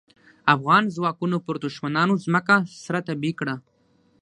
افغان ځواکونو پر دوښمنانو ځمکه سره تبۍ کړه.